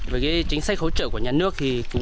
với chính sách hỗ trợ của nhà nước